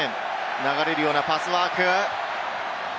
流れるようなパスワーク。